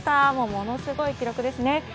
ものすごい記録ですね！